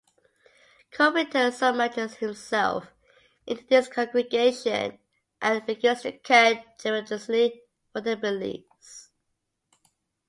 Covington submerges himself into this congregation, and begins to care tremendously for their beliefs.